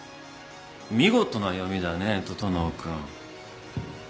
見事な読みだね整君。